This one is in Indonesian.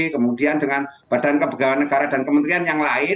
kemudian dengan badan kepegangan negara dan kementerian yang lain